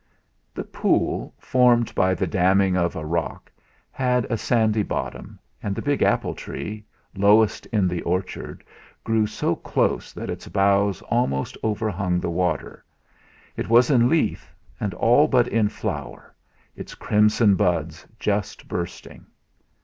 The pool, formed by the damming of a rock, had a sandy bottom; and the big apple tree, lowest in the orchard, grew so close that its boughs almost overhung the water; it was in leaf, and all but in flower its crimson buds just bursting.